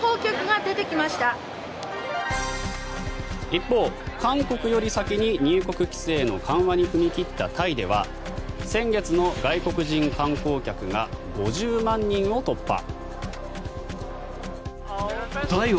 一方、韓国より先に入国規制の緩和に踏み切ったタイでは先月の外国人観光客が５０万人を突破。